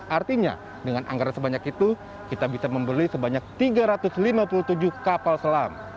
artinya dengan anggaran sebanyak itu kita bisa membeli sebanyak tiga ratus lima puluh tujuh kapal selam